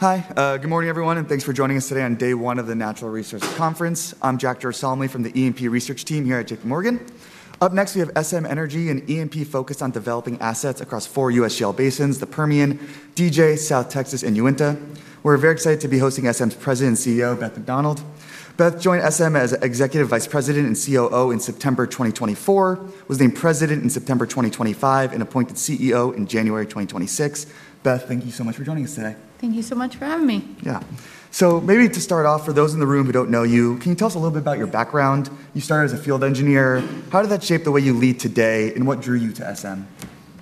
Hi. Good morning, everyone, and thanks for joining us today on day one of the Natural Resource Conference. I'm Jack Girasole from the E&P research team here at J.P. Morgan. Up next, we have SM Energy, an E&P focused on developing assets across four U.S. shale basins, the Permian, DJ, South Texas, and Uinta. We're very excited to be hosting SM's president and CEO, Beth McDonald. Beth joined SM as Executive Vice President and COO in September 2024, was named president in September 2025, and appointed CEO in January 2026. Beth, thank you so much for joining us today. Thank you so much for having me. Yeah. Maybe to start off, for those in the room who don't know you, can you tell us a little bit about your background? You started as a field engineer. How did that shape the way you lead today, and what drew you to SM?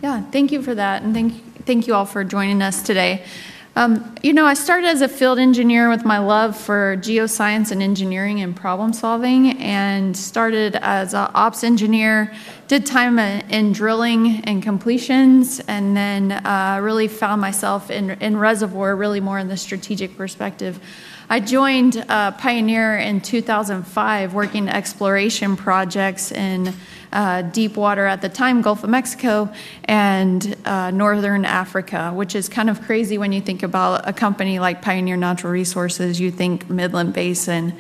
Yeah. Thank you for that, and thank you all for joining us today. I started as a field engineer with my love for geoscience and engineering and problem-solving, and started as an ops engineer, did time in drilling and completions, and then really found myself in reservoir, really more in the strategic perspective. I joined Pioneer in 2005, working exploration projects in deep water at the time, Gulf of Mexico and Northern Africa, which is kind of crazy when you think about a company like Pioneer Natural Resources, you think Midland Basin.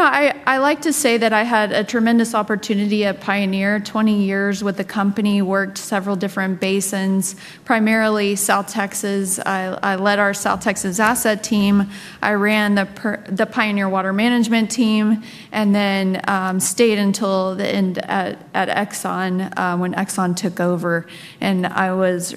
I like to say that I had a tremendous opportunity at Pioneer. 20 years with the company, worked several different basins, primarily South Texas. I led our South Texas asset team. I ran the Pioneer Water Management team, and then stayed until the end at Exxon, when Exxon took over. I was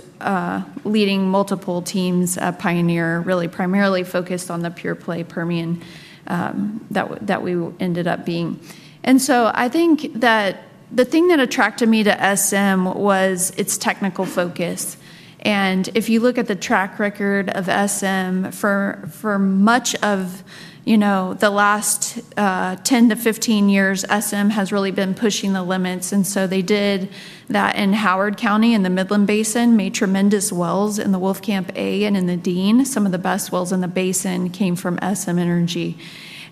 leading multiple teams at Pioneer, really primarily focused on the pure play Permian that we ended up being. I think that the thing that attracted me to SM was its technical focus. If you look at the track record of SM for much of the last 10-15 years, SM has really been pushing the limits. They did that in Howard County in the Midland Basin, made tremendous wells in the Wolfcamp A and in the Dean. Some of the best wells in the basin came from SM Energy.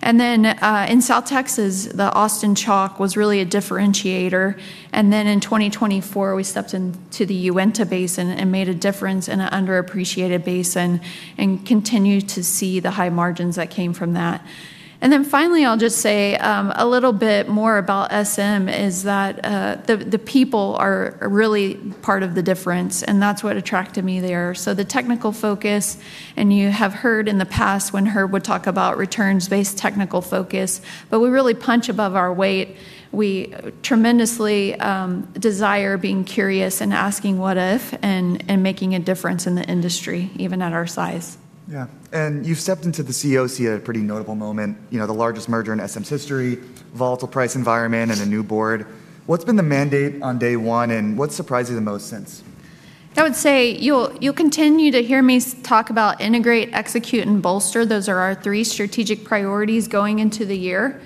In South Texas, the Austin Chalk was really a differentiator. In 2024, we stepped into the Uinta Basin and made a difference in an underappreciated basin, and continue to see the high margins that came from that. Finally, I'll just say a little more about SM is that the people are really part of the difference, and that's what attracted me there. The technical focus, and you have heard in the past when Herb would talk about returns-based technical focus, but we really punch above our weight. We tremendously desire being curious and asking what if, and making a difference in the industry, even at our size. You've stepped into the CEO seat at a pretty notable moment, the largest merger in SM's history, volatile price environment, and a new board. What's been the mandate on day one, and what's surprised you the most since? I would say you'll continue to hear me talk about integrate, execute, and bolster. Those are our three strategic priorities going into the year.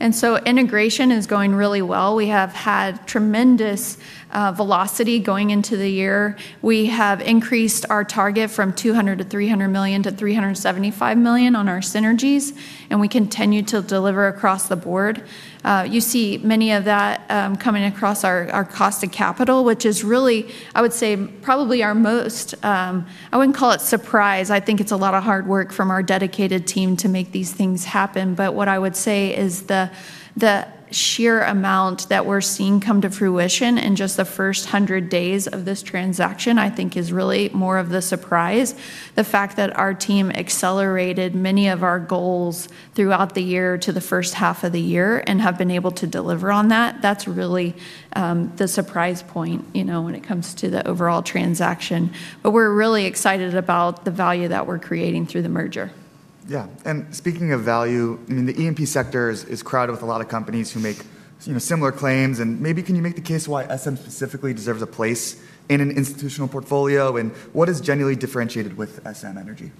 Integration is going really well. We have had tremendous velocity going into the year. We have increased our target from $200 million-$300 million to $375 million on our synergies, and we continue to deliver across the board. You see many of that coming across our cost of capital, which is really, I would say, probably our most. I wouldn't call it surprise. I think it's a lot of hard work from our dedicated team to make these things happen. What I would say is the sheer amount that we're seeing come to fruition in just the first 100 days of this transaction, I think, is really more of the surprise. The fact that our team accelerated many of our goals throughout the year to the first half of the year and have been able to deliver on that's really the surprise point when it comes to the overall transaction. We're really excited about the value that we're creating through the merger. Yeah. Speaking of value, the E&P sector is crowded with a lot of companies who make similar claims. Maybe can you make the case why SM specifically deserves a place in an institutional portfolio? What is genuinely differentiated with SM Energy?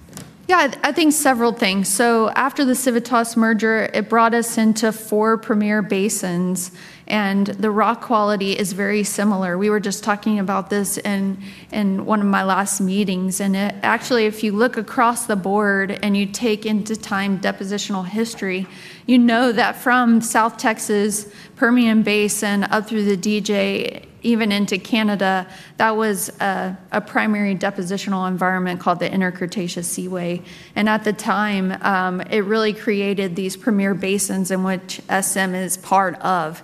Yeah. I think several things. After the Civitas merger, it brought us into four premier basins, the rock quality is very similar. We were just talking about this in one of my last meetings, actually if you look across the board and you take into time depositional history, you know that from South Texas, Permian Basin, up through the DJ, even into Canada, that was a primary depositional environment called the Western Interior Seaway. At the time, it really created these premier basins in which SM is part of.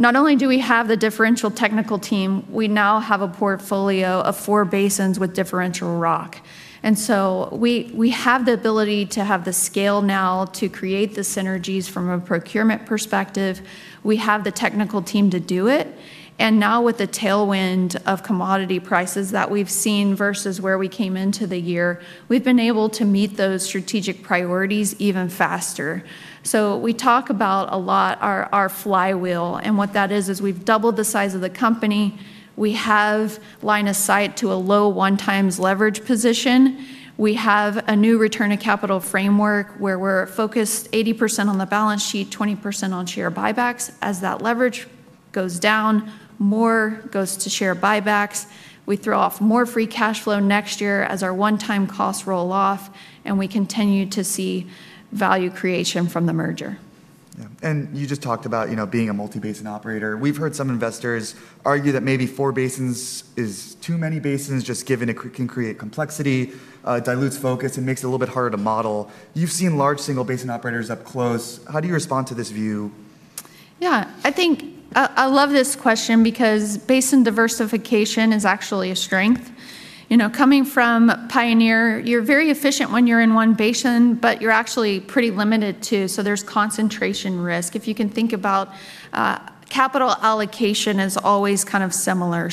Not only do we have the differential technical team, we now have a portfolio of four basins with differential rock. We have the ability to have the scale now to create the synergies from a procurement perspective. We have the technical team to do it. Now with the tailwind of commodity prices that we've seen versus where we came into the year, we've been able to meet those strategic priorities even faster. We talk about a lot our flywheel, what that is we've doubled the size of the company. We have line of sight to a low one times leverage position. We have a new return on capital framework where we're focused 80% on the balance sheet, 20% on share buybacks. As that leverage goes down, more goes to share buybacks. We throw off more free cash flow next year as our one-time costs roll off, we continue to see value creation from the merger. You just talked about being a multi-basin operator. We've heard some investors argue that maybe four basins is too many basins, just given it can create complexity, dilutes focus, and makes it a little bit harder to model. You've seen large single-basin operators up close. How do you respond to this view? Yeah. I love this question because basin diversification is actually a strength. Coming from Pioneer, you're very efficient when you're in one basin, but you're actually pretty limited, too, so there's concentration risk. If you can think about capital allocation is always kind of similar.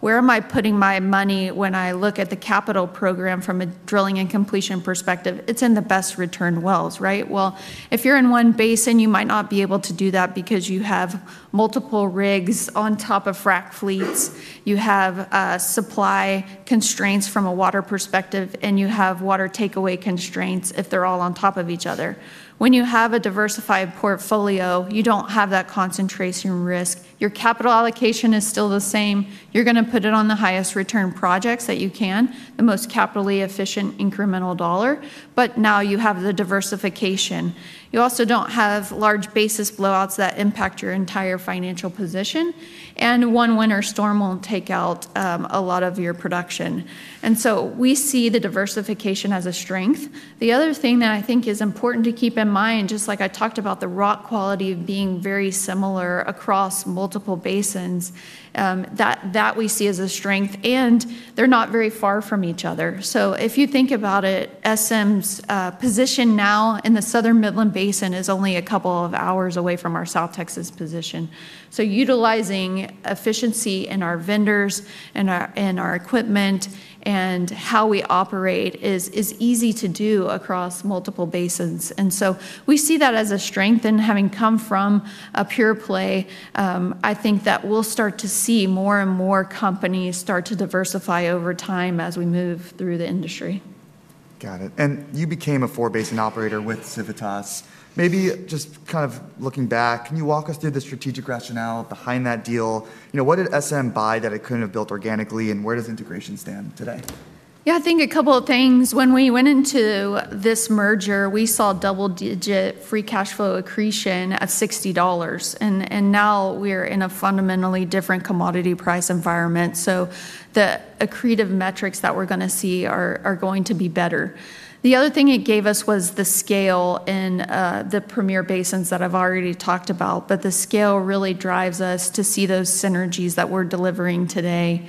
Where am I putting my money when I look at the capital program from a drilling and completion perspective? It's in the best return wells, right? Well, if you're in one basin, you might not be able to do that because you have multiple rigs on top of frac fleets, you have supply constraints from a water perspective, and you have water takeaway constraints if they're all on top of each other. When you have a diversified portfolio, you don't have that concentration risk. Your capital allocation is still the same. You're going to put it on the highest return projects that you can, the most capitally efficient incremental dollar. Now you have the diversification. You also don't have large basis blowouts that impact your entire financial position, and one winter storm won't take out a lot of your production. We see the diversification as a strength. The other thing that I think is important to keep in mind, just like I talked about the rock quality of being very similar across multiple basins, that we see as a strength, and they're not very far from each other. If you think about it, SM's position now in the Southern Midland Basin is only a couple of hours away from our South Texas position. Utilizing efficiency in our vendors, in our equipment, and how we operate is easy to do across multiple basins. We see that as a strength. Having come from a pure play, I think that we'll start to see more and more companies start to diversify over time as we move through the industry. Got it. You became a four-basin operator with Civitas. Maybe just kind of looking back, can you walk us through the strategic rationale behind that deal? What did SM buy that it couldn't have built organically, and where does integration stand today? Yeah, I think two things. When we went into this merger, we saw double-digit free cash flow accretion of $60. Now we're in a fundamentally different commodity price environment, the accretive metrics that we're going to see are going to be better. The other thing it gave us was the scale in the premier basins that I've already talked about. The scale really drives us to see those synergies that we're delivering today.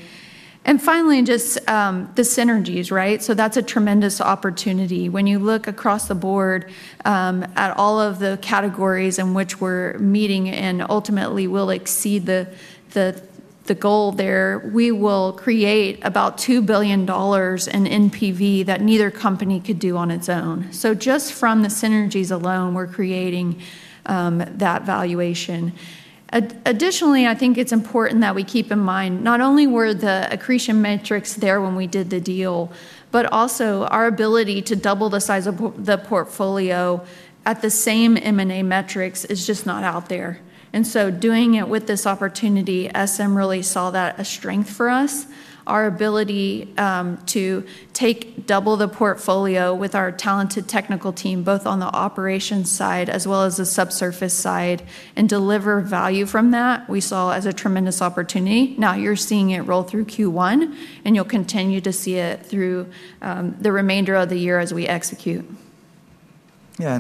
Finally, just the synergies, right? That's a tremendous opportunity. When you look across the board at all of the categories in which we're meeting and ultimately will exceed the goal there, we will create about $2 billion in NPV that neither company could do on its own. Just from the synergies alone, we're creating that valuation. Additionally, I think it's important that we keep in mind not only were the accretion metrics there when we did the deal, but also our ability to double the size of the portfolio at the same M&A metrics is just not out there. Doing it with this opportunity, SM really saw that a strength for us. Our ability to double the portfolio with our talented technical team, both on the operations side as well as the subsurface side, and deliver value from that, we saw as a tremendous opportunity. Now you're seeing it roll through Q1, you'll continue to see it through the remainder of the year as we execute. Yeah.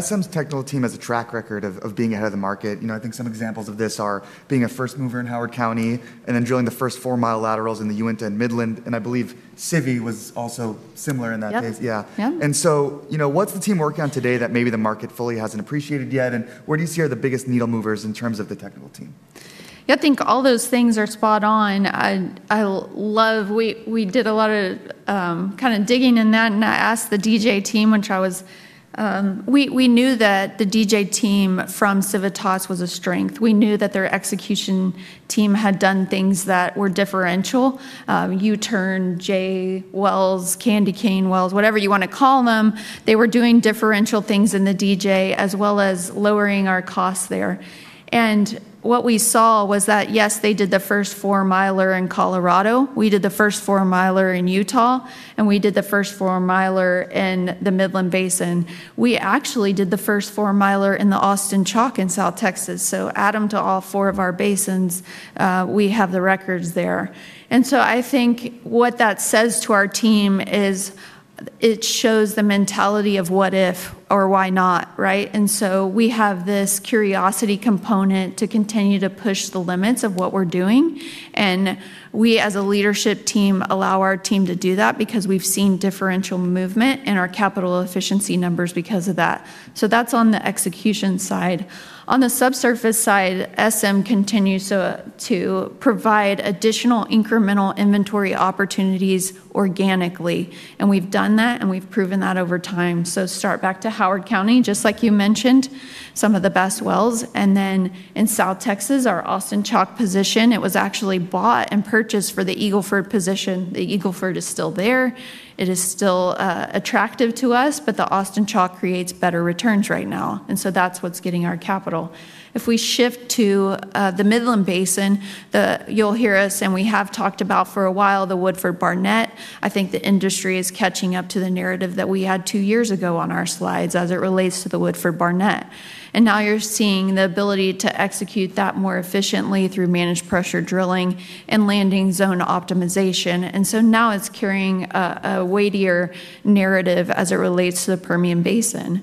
SM's technical team has a track record of being ahead of the market. I think some examples of this are being a first mover in Howard County then drilling the first four-mile laterals in the Uinta and Midland, I believe Civitas was also similar in that case. Yep. Yeah. Yep. What's the team working on today that maybe the market fully hasn't appreciated yet, and where do you see are the biggest needle movers in terms of the technical team? Yeah, I think all those things are spot on. We did a lot of kind of digging in that. I asked the DJ team, we knew that the DJ team from Civitas was a strength. We knew that their execution team had done things that were differential. U-turn J wells, candy cane wells, whatever you want to call them, they were doing differential things in the DJ, as well as lowering our costs there. What we saw was that, yes, they did the first four-miler in Colorado, we did the first four-miler in Utah, and we did the first four-miler in the Midland Basin. We actually did the first four-miler in the Austin Chalk in South Texas. Add them to all four of our basins, we have the records there. I think what that says to our team is it shows the mentality of what if or why not, right? We have this curiosity component to continue to push the limits of what we're doing, and we, as a leadership team, allow our team to do that because we've seen differential movement in our capital efficiency numbers because of that. That's on the execution side. On the subsurface side, SM continues to provide additional incremental inventory opportunities organically, and we've done that and we've proven that over time. Start back to Howard County, just like you mentioned, some of the best wells. In South Texas, our Austin Chalk position, it was actually bought and purchased for the Eagle Ford position. The Eagle Ford is still there. It is still attractive to us, but the Austin Chalk creates better returns right now. That's what's getting our capital. If we shift to the Midland Basin, you'll hear us, and we have talked about for a while, the Woodford and Barnett shales. I think the industry is catching up to the narrative that we had two years ago on our slides as it relates to the Woodford and Barnett shales. Now you're seeing the ability to execute that more efficiently through Managed Pressure Drilling and landing zone optimization. Now it's carrying a weightier narrative as it relates to the Permian Basin.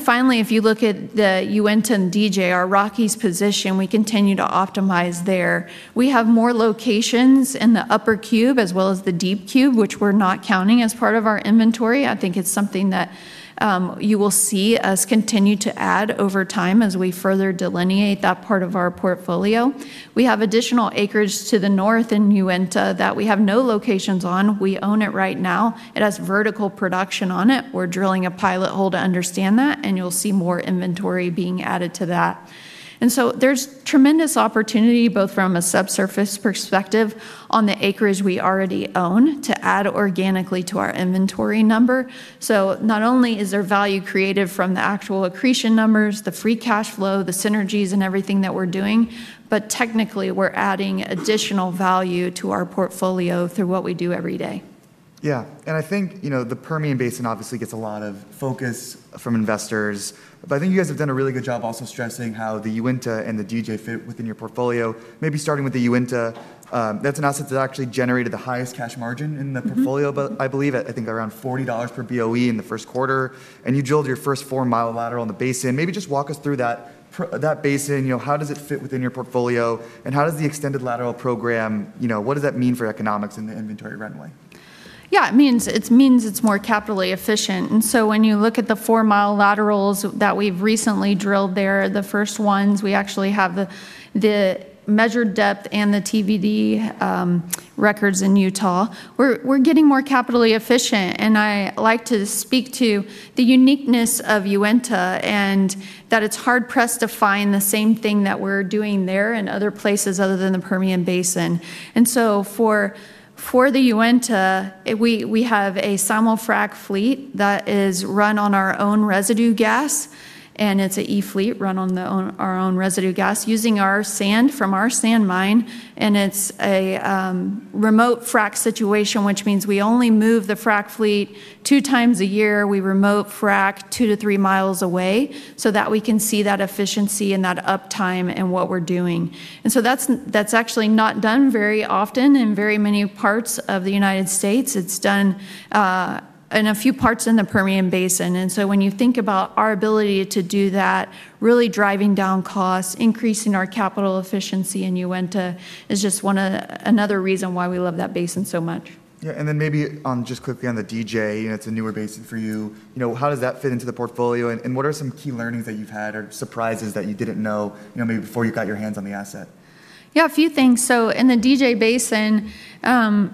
Finally, if you look at the Uinta and DJ, our Rockies position, we continue to optimize there. We have more locations in the upper cube as well as the deep cube, which we're not counting as part of our inventory. I think it's something that you will see us continue to add over time as we further delineate that part of our portfolio. We have additional acreage to the north in Uinta that we have no locations on. We own it right now. It has vertical production on it. We're drilling a pilot hole to understand that, and you'll see more inventory being added to that. There's tremendous opportunity, both from a subsurface perspective on the acreage we already own to add organically to our inventory number. Not only is there value created from the actual accretion numbers, the free cash flow, the synergies and everything that we're doing, but technically, we're adding additional value to our portfolio through what we do every day. Yeah. I think, the Permian Basin obviously gets a lot of focus from investors, but I think you guys have done a really good job also stressing how the Uinta and the DJ fit within your portfolio. Maybe starting with the Uinta, that's an asset that actually generated the highest cash margin in the portfolio- I believe. I think around $40 per BOE in the first quarter. You drilled your first 4-mile lateral in the basin. Maybe just walk us through that basin. How does it fit within your portfolio, and how does the extended lateral program, what does that mean for economics in the inventory runway? Yeah. It means it's more capitally efficient. When you look at the 4-mile laterals that we've recently drilled there, the first ones, we actually have the measured depth and the TVD records in Utah. We're getting more capitally efficient, and I like to speak to the uniqueness of Uinta, and that it's hard-pressed to find the same thing that we're doing there in other places other than the Permian Basin. For the Uinta, we have a simul frac fleet that is run on our own residue gas. It's an e-fleet run on our own residue gas using our sand from our sand mine, and it's a remote frac situation, which means we only move the frac fleet two times a year. We remote frac 2-3 miles away so that we can see that efficiency and that uptime in what we're doing. That's actually not done very often in very many parts of the U.S. It's done in a few parts in the Permian Basin. When you think about our ability to do that, really driving down costs, increasing our capital efficiency in Uinta is just another reason why we love that basin so much. Yeah, maybe just quickly on the DJ, it's a newer basin for you. How does that fit into the portfolio, and what are some key learnings that you've had or surprises that you didn't know maybe before you got your hands on the asset? Yeah, a few things. In the DJ Basin,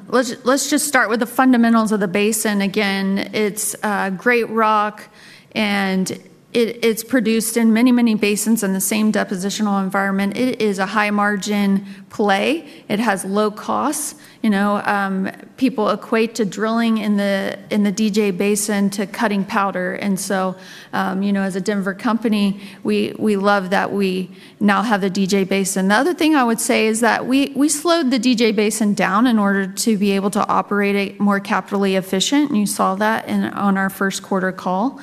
let's just start with the fundamentals of the basin. Again, it's a great rock, and it's produced in many basins in the same depositional environment. It is a high-margin play. It has low costs. People equate to drilling in the DJ Basin to cutting powder. As a Denver company, we love that we now have the DJ Basin. The other thing I would say is that we slowed the DJ Basin down in order to be able to operate it more capitally efficient, and you saw that on our first quarter call.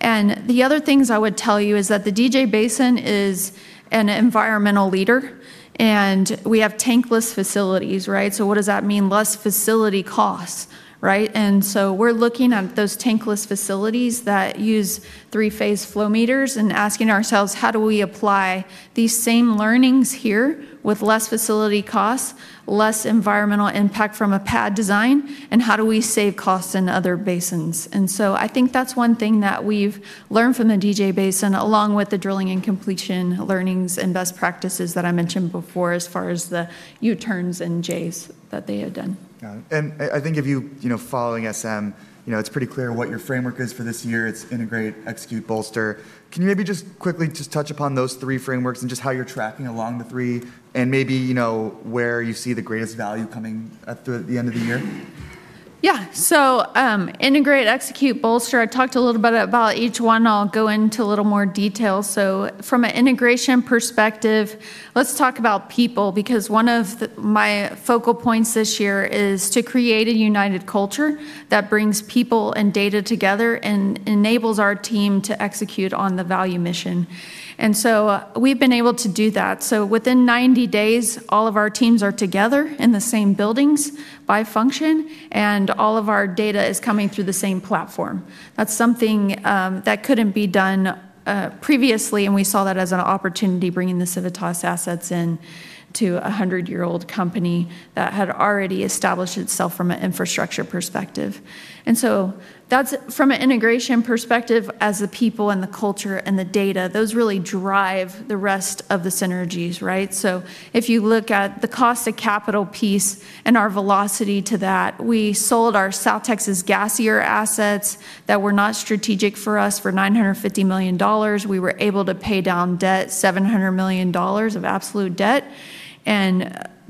The other things I would tell you is that the DJ Basin is an environmental leader, and we have tankless facilities. What does that mean? Less facility costs. We're looking at those tankless facilities that use three-phase flow meters and asking ourselves, how do we apply these same learnings here with less facility costs, less environmental impact from a pad design, and how do we save costs in other basins? I think that's one thing that we've learned from the DJ Basin, along with the drilling and completion learnings and best practices that I mentioned before as far as the Uinta and DJs that they had done. Got it. I think if you, following SM Energy, it's pretty clear what your framework is for this year. It's integrate, execute, bolster. Can you maybe just quickly touch upon those three frameworks and just how you're tracking along the three and maybe where you see the greatest value coming at the end of the year? Yeah. Integrate, execute, bolster. I talked a little bit about each one. I'll go into a little more detail. From an integration perspective, let's talk about people, because one of my focal points this year is to create a united culture that brings people and data together and enables our team to execute on the value mission. We've been able to do that. Within 90 days, all of our teams are together in the same buildings by function, and all of our data is coming through the same platform. That's something that couldn't be done previously, and we saw that as an opportunity, bringing the Civitas assets in to a 100-year-old company that had already established itself from an infrastructure perspective. That's from an integration perspective as the people and the culture and the data, those really drive the rest of the synergies. If you look at the cost of capital piece and our velocity to that, we sold our South Texas gassier assets that were not strategic for us for $950 million. We were able to pay down debt, $700 million of absolute debt.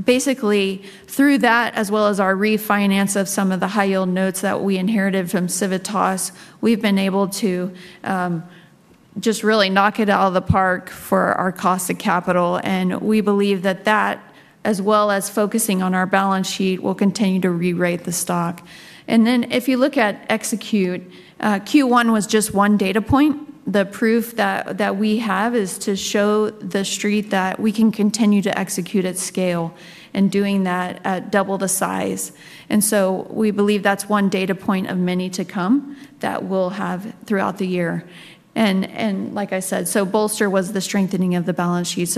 Basically through that, as well as our refinance of some of the high-yield notes that we inherited from Civitas, we've been able to just really knock it out of the park for our cost of capital, we believe that that, as well as focusing on our balance sheet, will continue to rerate the stock. If you look at execute, Q1 was just one data point. The proof that we have is to show the Street that we can continue to execute at scale, and doing that at double the size. We believe that's one data point of many to come that we'll have throughout the year. Like I said, bolster was the strengthening of the balance sheet.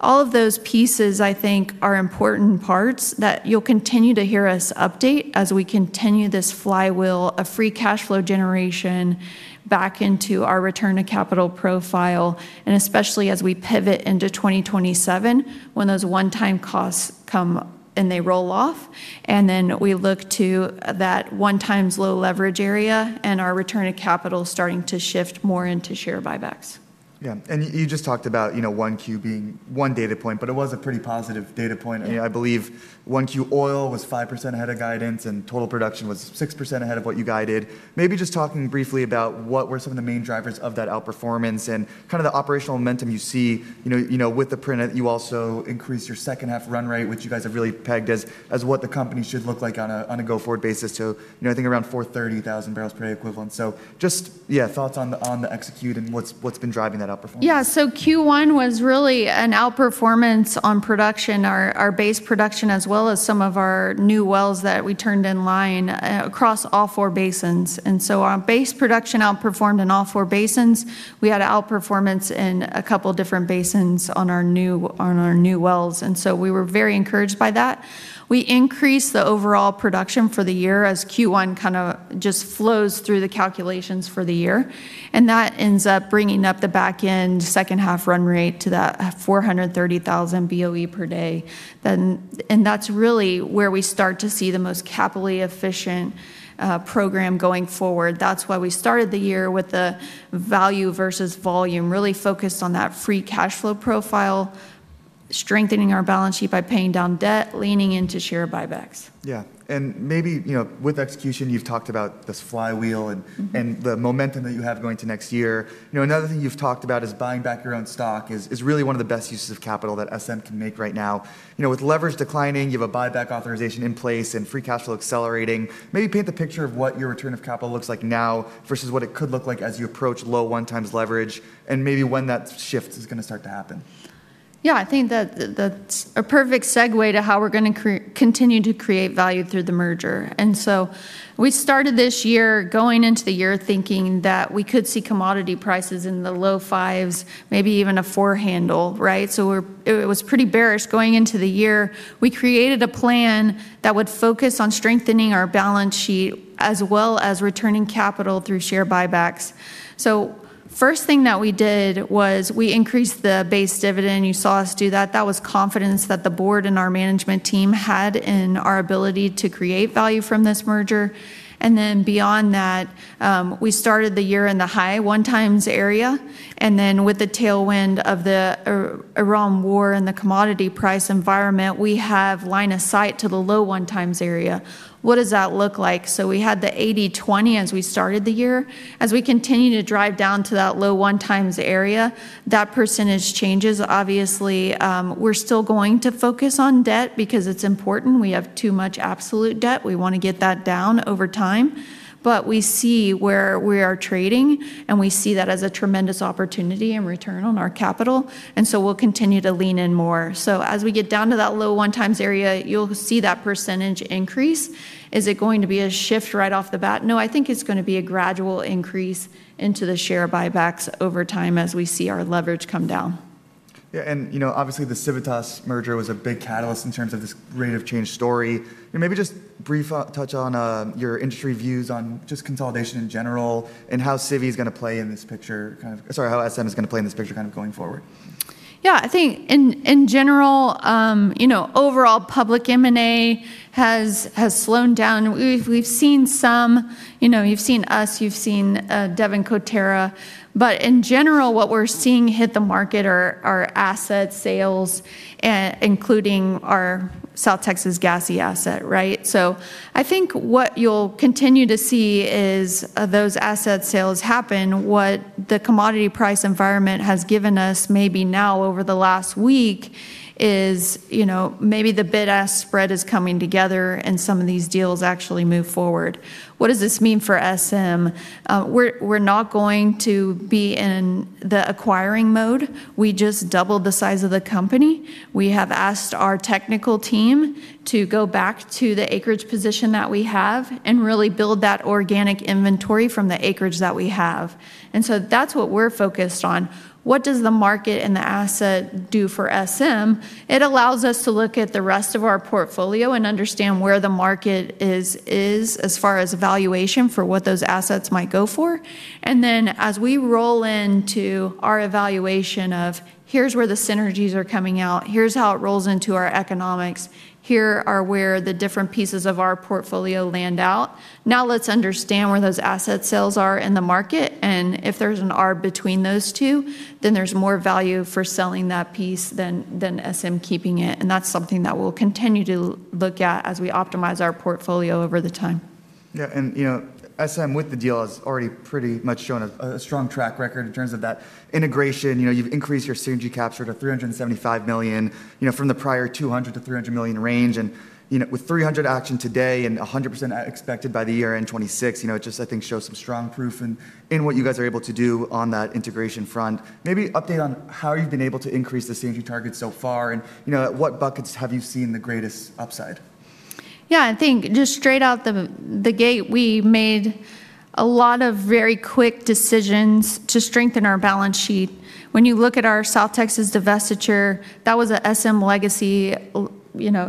All of those pieces, I think, are important parts that you'll continue to hear us update as we continue this flywheel of free cash flow generation back into our return on capital profile, especially as we pivot into 2027 when those one-time costs come and they roll off. We look to that one times low leverage area and our return on capital starting to shift more into share buybacks. Yeah. You just talked about 1Q being one data point, but it was a pretty positive data point. Yeah. I believe 1Q oil was 5% ahead of guidance, and total production was 6% ahead of what you guided. Maybe just talking briefly about what were some of the main drivers of that outperformance and kind of the operational momentum you see. With the print, you also increased your second half run rate, which you guys have really pegged as what the company should look like on a go-forward basis. I think around 430,000 barrels per day equivalent. Just, yeah, thoughts on the execute and what's been driving that outperformance. Yeah. Q1 was really an outperformance on production, our base production, as well as some of our new wells that we turned in line across all four basins. Our base production outperformed in all four basins. We had an outperformance in a couple different basins on our new wells, and so we were very encouraged by that. We increased the overall production for the year as Q1 kind of just flows through the calculations for the year, and that ends up bringing up the back end second half run rate to that 430,000 BOE per day. That's really where we start to see the most capitally efficient program going forward. That's why we started the year with the value versus volume, really focused on that free cash flow profile, strengthening our balance sheet by paying down debt, leaning into share buybacks. Yeah. Maybe, with execution, you've talked about this flywheel. The momentum that you have going to next year. Another thing you've talked about is buying back your own stock is really one of the best uses of capital that SM can make right now. With leverage declining, you have a buyback authorization in place, and free cash flow accelerating. Maybe paint the picture of what your return of capital looks like now versus what it could look like as you approach low one times leverage and maybe when that shift is going to start to happen. Yeah, I think that's a perfect segue to how we're going to continue to create value through the merger. We started this year going into the year thinking that we could see commodity prices in the low fives, maybe even a four handle, right? It was pretty bearish going into the year. We created a plan that would focus on strengthening our balance sheet as well as returning capital through share buybacks. First thing that we did was we increased the base dividend. You saw us do that. That was confidence that the board and our management team had in our ability to create value from this merger. Beyond that, we started the year in the high one times area, and then with the tailwind of the Iran war and the commodity price environment, we have line of sight to the low one times area. What does that look like? We had the 80/20 as we started the year. As we continue to drive down to that low one times area, that percentage changes. Obviously, we're still going to focus on debt because it's important. We have too much absolute debt. We want to get that down over time. We see where we are trading, and we see that as a tremendous opportunity and return on our capital, and we'll continue to lean in more. As we get down to that low one times area, you'll see that percentage increase. Is it going to be a shift right off the bat? No, I think it's going to be a gradual increase into the share buybacks over time as we see our leverage come down. Yeah. Obviously, the Civitas merger was a big catalyst in terms of this rate of change story. Maybe just a brief touch on your industry views on just consolidation in general, how Civy is going to play in this picture going forward. Yeah, I think in general, overall public M&A has slowed down. We've seen some. You've seen us, you've seen Devon, Coterra. In general, what we're seeing hit the market are asset sales, including our South Texas gassy asset, right? I think what you'll continue to see is those asset sales happen. What the commodity price environment has given us maybe now over the last week is maybe the bid-ask spread is coming together and some of these deals actually move forward. What does this mean for SM? We're not going to be in the acquiring mode. We just doubled the size of the company. We have asked our technical team to go back to the acreage position that we have and really build that organic inventory from the acreage that we have. That's what we're focused on. What does the market and the asset do for SM? It allows us to look at the rest of our portfolio and understand where the market is as far as valuation for what those assets might go for. As we roll into our evaluation of here's where the synergies are coming out, here's how it rolls into our economics, here are where the different pieces of our portfolio land out. Let's understand where those asset sales are in the market, if there's an arb between those two, there's more value for selling that piece than SM keeping it, that's something that we'll continue to look at as we optimize our portfolio over the time. Yeah. SM, with the deal, has already pretty much shown a strong track record in terms of that integration. You've increased your synergy capture to $375 million from the prior $200 million-$300 million range. With $300 million action today and 100% expected by the year-end 2026, it just, I think, shows some strong proof in what you guys are able to do on that integration front. Maybe update on how you've been able to increase the synergy targets so far, what buckets have you seen the greatest upside? Yeah, I think just straight out the gate, we made a lot of very quick decisions to strengthen our balance sheet. When you look at our South Texas divestiture, that was a SM legacy,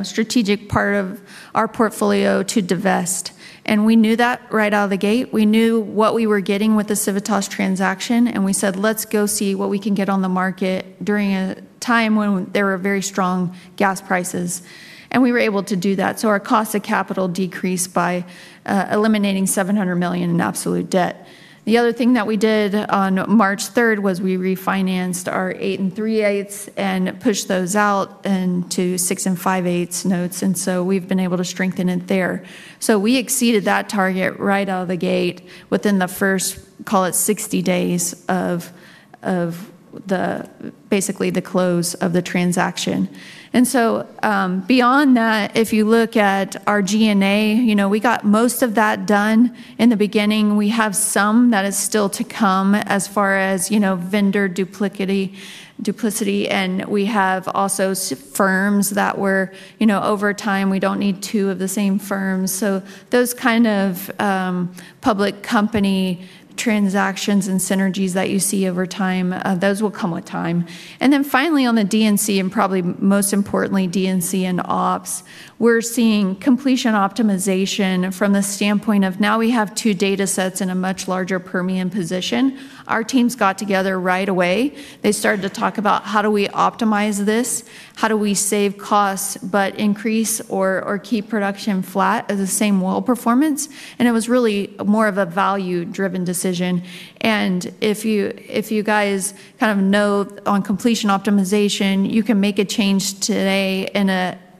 strategic part of our portfolio to divest. We knew that right out of the gate. We knew what we were getting with the Civitas transaction, and we said, "Let's go see what we can get on the market" during a time when there were very strong gas prices. We were able to do that. Our cost of capital decreased by eliminating $700 million in absolute debt. The other thing that we did on March 3rd was we refinanced our eight and three-eighths and pushed those out into six and five-eighths notes. We've been able to strengthen it there. We exceeded that target right out of the gate within the first, call it, 60 days of basically the close of the transaction. Beyond that, if you look at our G&A, we got most of that done in the beginning. We have some that is still to come as far as vendor duplicity, and we have also firms that over time, we don't need two of the same firms. Those kind of public company transactions and synergies that you see over time, those will come with time. Finally, on the D&C, and probably most importantly D&C and ops, we're seeing completion optimization from the standpoint of now we have two data sets in a much larger Permian position. Our teams got together right away. They started to talk about how do we optimize this? How do we save costs but increase or keep production flat at the same well performance? It was really more of a value-driven decision. If you guys kind of know on completion optimization, you can make a change today in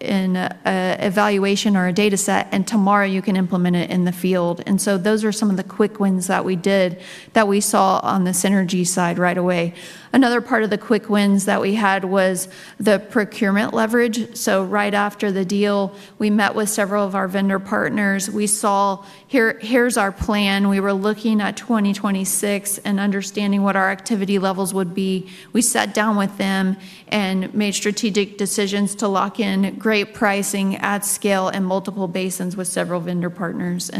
an evaluation or a data set, and tomorrow you can implement it in the field. Those are some of the quick wins that we did that we saw on the synergy side right away. Another part of the quick wins that we had was the procurement leverage. Right after the deal, we met with several of our vendor partners. We saw, "Here's our plan." We were looking at 2026 and understanding what our activity levels would be. We sat down with them and made strategic decisions to lock in great pricing at scale and multiple basins with several vendor partners.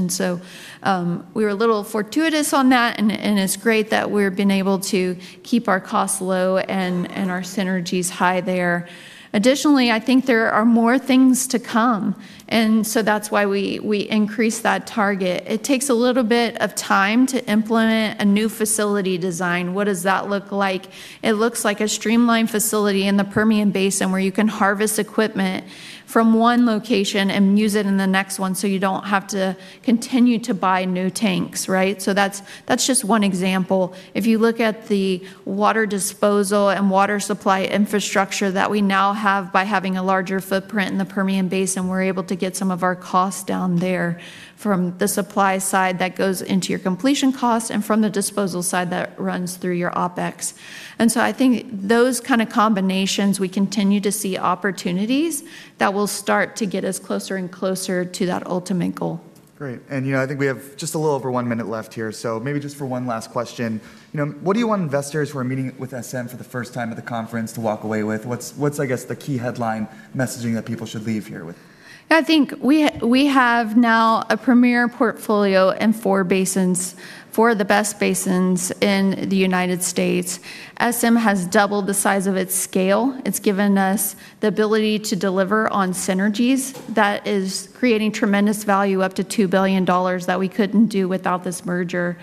We were a little fortuitous on that, and it's great that we've been able to keep our costs low and our synergies high there. Additionally, I think there are more things to come, and so that's why we increased that target. It takes a little bit of time to implement a new facility design. What does that look like? It looks like a streamlined facility in the Permian Basin where you can harvest equipment from one location and use it in the next one so you don't have to continue to buy new tanks, right? That's just one example. If you look at the water disposal and water supply infrastructure that we now have by having a larger footprint in the Permian Basin, we're able to get some of our costs down there from the supply side that goes into your completion cost and from the disposal side that runs through your OpEx. I think those kind of combinations, we continue to see opportunities that will start to get us closer and closer to that ultimate goal. Great. I think we have just a little over one minute left here, so maybe just for one last question. What do you want investors who are meeting with SM for the first time at the conference to walk away with? What's, I guess, the key headline messaging that people should leave here with? I think we have now a premier portfolio in four basins, four of the best basins in the United States. SM has doubled the size of its scale. It's given us the ability to deliver on synergies that is creating tremendous value, up to $2 billion, that we couldn't do without this merger.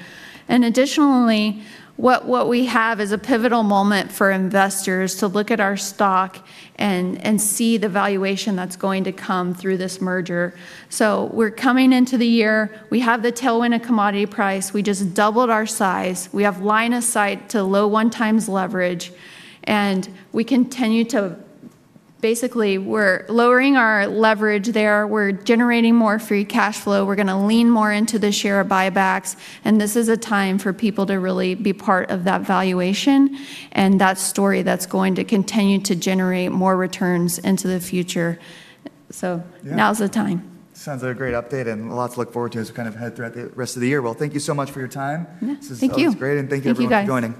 Additionally, what we have is a pivotal moment for investors to look at our stock and see the valuation that's going to come through this merger. We're coming into the year, we have the tailwind of commodity price. We just doubled our size. We have line of sight to low one times leverage, we're lowering our leverage there. We're generating more free cash flow. We're going to lean more into the share buybacks, this is a time for people to really be part of that valuation and that story that's going to continue to generate more returns into the future. Now's the time. Sounds like a great update and a lot to look forward to as we kind of head throughout the rest of the year. Well, thank you so much for your time. Yeah. Thank you. This is always great, and thank you everyone for joining.